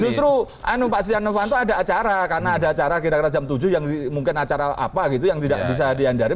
justru pak setia novanto ada acara karena ada acara kira kira jam tujuh yang mungkin acara apa gitu yang tidak bisa diandari